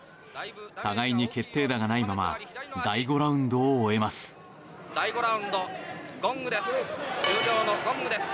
互いに決定打がないまま第５ラウンドを終えます。